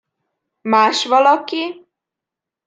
Másvalaki?